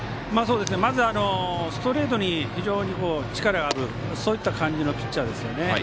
まず、ストレートに非常に力があるそういった感じのピッチャーですよね。